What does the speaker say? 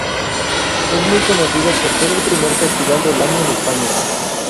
Es muy conocido por ser el primer festival del año en España.